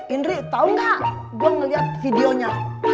indri tau gak gue ngeliat videonya